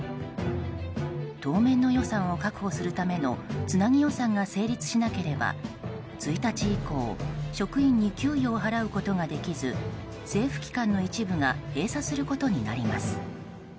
当面の予算を確保するためのつなぎ予算が成立しなければ１日以降職員に給与を払うことができず政府機関の一部が閉鎖することになります。